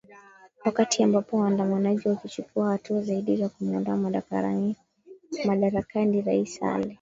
wakati ambapo waandamanaji wakichukua hatua zaidi za kumwondoa madarakani rais salle